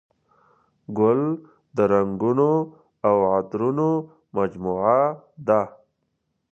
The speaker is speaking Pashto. ګل د رنګونو او عطرونو مجموعه ده.